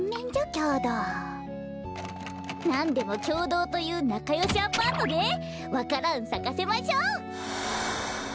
きょうどうなんでもきょうどうというなかよしアパートでわか蘭さかせましょう。